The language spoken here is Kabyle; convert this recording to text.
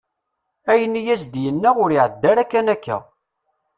Ayen i as-d-yenna ur iɛedda ara kan akka.